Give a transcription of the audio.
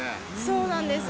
そうなんです。